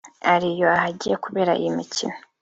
I Rio ahagiye kubera iyi mikino